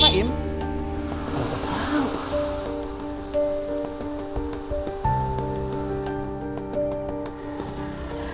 gua gak tau